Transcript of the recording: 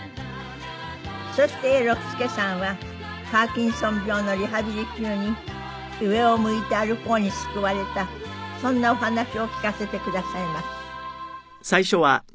そして永六輔さんはパーキンソン病のリハビリ中に『上を向いて歩こう』に救われたそんなお話を聞かせてくださいます。